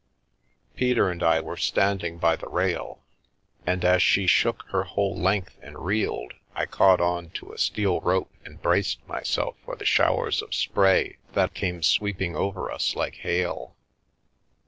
Peter and I were standing by the rail, and as she shook her whole length and reeled, I caught on to a steel rope and braced myself for the showers of spray that came sweeping over us like hail.